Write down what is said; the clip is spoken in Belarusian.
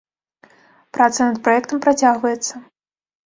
Праца над праектам працягваецца.